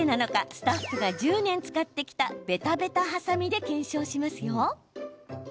スタッフが１０年使ってきたベタベタはさみで検証します。